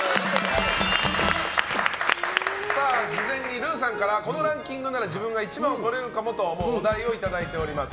事前にルーさんからこのランキングなら自分が１番をとれるかもと思うお題をいただいております。